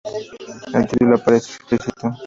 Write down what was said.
El título aparece explícito.